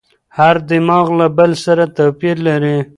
هر دماغ له بل سره توپیر لري.